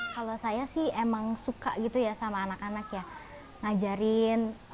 kalau saya sih emang suka gitu ya sama anak anak ya ngajarin